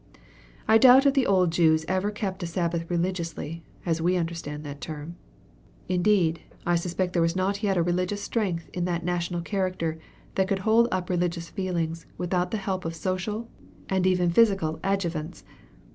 I doubt if the old Jews ever kept a Sabbath religiously, as we understand that term. Indeed, I suspect there was not yet a religious strength in that national character that could hold up religious feeling without the help of social and even physical adjuvants.